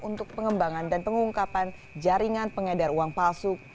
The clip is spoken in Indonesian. untuk pengembangan dan pengungkapan jaringan pengedar uang palsu